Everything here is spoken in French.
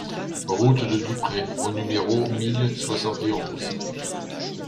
Route de Dupré au numéro mille soixante et onze